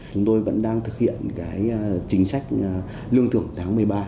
chúng tôi vẫn đang thực hiện chính sách lương thưởng tháng một mươi ba